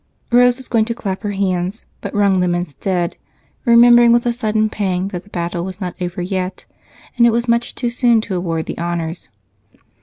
Rose was going to clap her hands, but wrung them instead, remembering with a sudden pang that the battle was not over yet, and it was much too soon to award the honors.